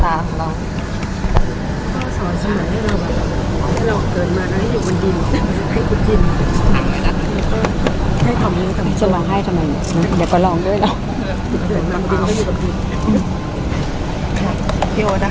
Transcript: ภาษาสนิทยาลัยสุดท้าย